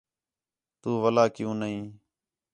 تُو وَلا کیوں نہیں